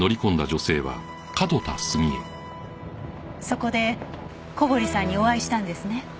そこで小堀さんにお会いしたんですね。